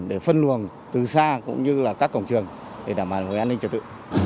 để phân luồng từ xa cũng như là các cổng trường để đảm bảo về an ninh trật tự